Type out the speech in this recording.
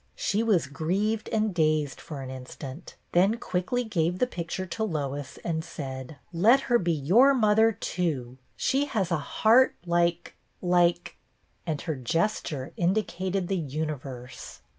She was grieved and dazed for an instant, then quickly gave the picture to Lois and said, " Let her be your mother too; she has a A ROOMMATE 85 heart like — like —" and her gesture indi cated the universe.